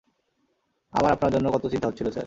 আমার আপনার জন্য কত চিন্তা হচ্ছিলো, স্যার।